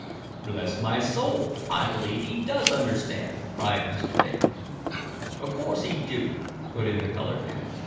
"Bless my soul, I believe he does understand!" cried Mr. Damon. "Of course he do," put in the colored man.